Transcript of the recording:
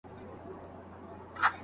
زه د خوب په انتظار کې یم.